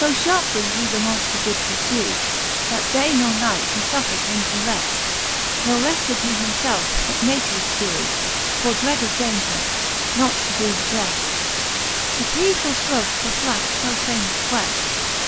So {liarply he the Monfter did purfew, That day nor night he fujffred him to reft, Ne refted he himfelfe, but natures dew, For dread of daunger, not to be redreft, If he for flouth forflackt fo famous queft.